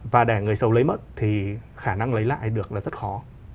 và để người sầu lấy mất thì khả năng lấy lại được là rất khó